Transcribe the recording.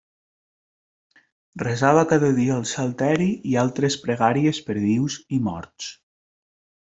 Resava cada dia el salteri i altres pregàries per vius i morts.